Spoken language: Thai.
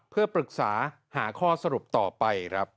เพื่อปรึกษาหาข้อสรุปต่อไปครับ